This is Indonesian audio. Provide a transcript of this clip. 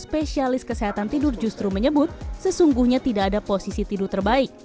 spesialis kesehatan tidur justru menyebut sesungguhnya tidak ada posisi tidur terbaik